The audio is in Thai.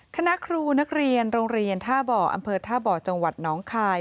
คณะครูนักเรียนโรงเรียนท่าบ่ออำเภอท่าบ่อจังหวัดน้องคาย